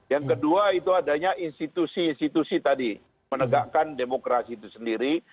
yang kedua itu adanya institusi institusi tadi menegakkan demokrasi itu sendiri